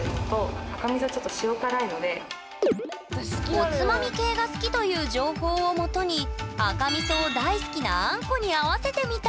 おつまみ系が好きという情報を基に赤みそを大好きなあんこに合わせてみた！